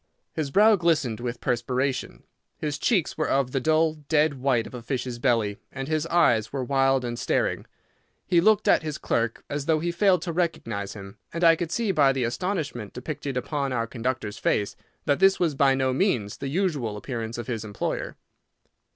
His brow glistened with perspiration, his cheeks were of the dull, dead white of a fish's belly, and his eyes were wild and staring. He looked at his clerk as though he failed to recognise him, and I could see by the astonishment depicted upon our conductor's face that this was by no means the usual appearance of his employer.